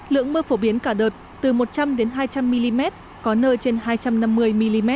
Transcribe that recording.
lượng mưa phổ biến cả đợt từ một trăm linh hai trăm linh mm có nơi trên hai trăm năm mươi mm